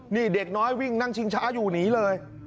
นี่เด็กน้อยวิ่งนั่งชิงช้าอยู่หนีเลย